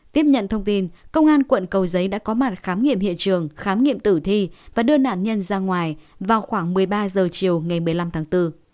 tiếp nhận thông tin công an quận cầu giấy đã có mặt khám nghiệm hiện trường khám nghiệm tử thi và đưa nạn nhân ra ngoài vào khoảng một mươi ba h chiều ngày một mươi năm tháng bốn